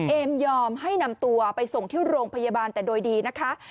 ยอมให้นำตัวไปส่งที่โรงพยาบาลแต่โดยดีนะคะ